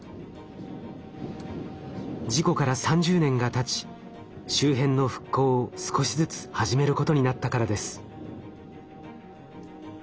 事故から３０年がたち周辺の復興を少しずつ始めることになったからです。